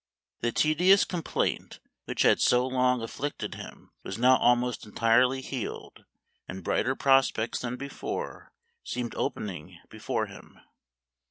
The tedi ous complaint which had so long afflicted him was now almost entirely healed, and brighter prospects than before seemed opening before him.